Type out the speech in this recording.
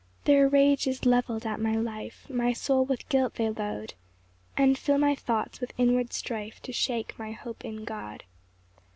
2 Their rage is levell'd at my life, My soul with guilt they load, And fill my thoughts with inward strife To shake my hope in God.